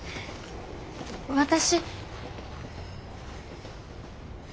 私。